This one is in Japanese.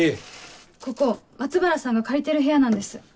ここ松原さんが借りてる部屋なんです。